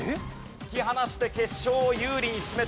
突き放して決勝を有利に進めたい。